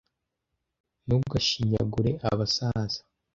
Ntugashinyagure abasaza.